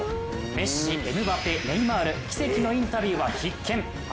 メッシ、エムバペ、ネイマール奇跡のインタビューは必見。